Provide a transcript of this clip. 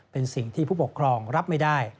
เป็นสิ่งที่ผู้ปกครองรับไม่ได้